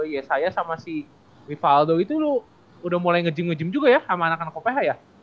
yesaya sama si vivaldo itu lu udah mulai ngejim ngejim juga ya sama anak anak oph ya